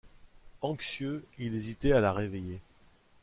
Anxieux, il hésitait à la réveiller.